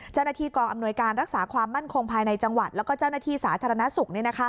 เจ้าหน้าที่กองอำนวยการรักษาความมั่นคงภายในจังหวัดแล้วก็เจ้าหน้าที่สาธารณสุข